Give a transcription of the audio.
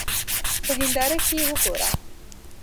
په هېنداره کې وګوره.